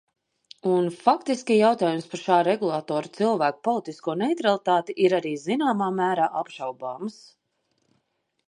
Un faktiski jautājums par šā regulatora cilvēku politisko neitralitāti ir arī zināmā mērā apšaubāms.